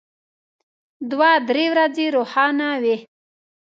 دوه درې ورځې روښانه وي.